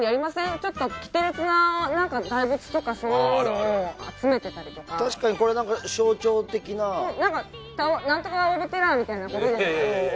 ちょっとキテレツな大仏とかそういうのを集めてたりとか確かにこれ何か象徴的な何とかオブ・テラーみたいなことです